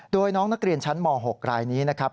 โดยน้องนักเรียนชั้นม๖รายนี้นะครับ